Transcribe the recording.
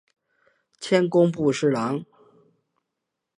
迁工部侍郎。